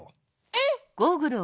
うん！